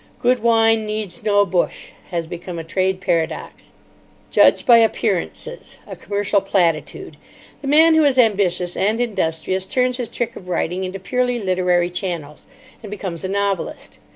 'Good wine needs no bush' has become a trade paradox, 'Judge by appearances,' a commercial platitude. The man who is ambitious and industrious turns his trick of writing into purely literary channels, and becomes a novelist.